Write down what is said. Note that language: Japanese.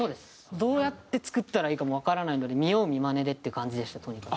どうやって作ったらいいかもわからないので見よう見まねでっていう感じでしたとにかく。